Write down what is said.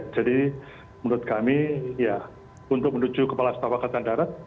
jadi menurut kami untuk menuju kepala setafangkatan darat